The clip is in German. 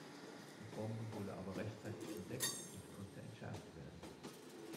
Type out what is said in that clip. Die Bombe wurde aber rechtzeitig entdeckt und konnte entschärft werden.